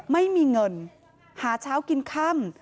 ไม่มีเงินหาเช้ากินค่ำ